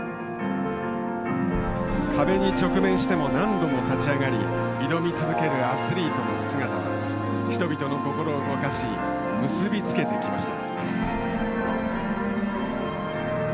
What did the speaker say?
壁に直面しても何度も立ち上がり挑み続けるアスリートの姿は人々の心を動かし結び付けてきました。